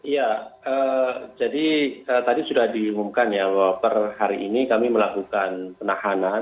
ya jadi tadi sudah diumumkan ya bahwa per hari ini kami melakukan penahanan